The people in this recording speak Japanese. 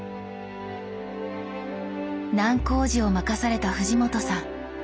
難工事を任された藤本さん。